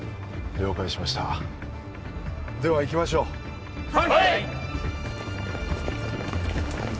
了解しましたでは行きましょうはい！